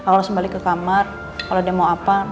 kalau sebalik ke kamar kalau dia mau apa